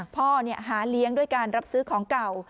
พ่อหาเลี้ยงด้วยการรับซื้อของเก่า